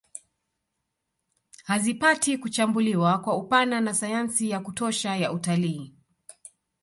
Hazipati kuchambuliwa kwa upana na sayansi ya kutosha ya utalii